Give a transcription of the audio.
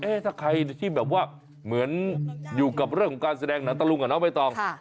ถ้าใครที่แบบว่าเหมือนอยู่กับเรื่องของการแสดงหนังตะลุงกับน้องใบตอง